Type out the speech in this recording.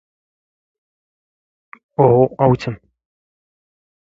ⵜⵡⵜⵎⵜ ⵜ?